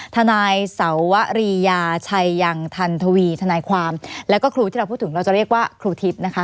ทนายสวรียาชัยยังทันทวีทนายความแล้วก็ครูที่เราพูดถึงเราจะเรียกว่าครูทิพย์นะคะ